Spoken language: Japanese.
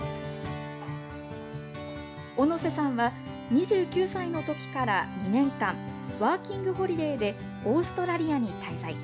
小野瀬さんは、２９歳のときから２年間、ワーキングホリデーでオーストラリアに滞在。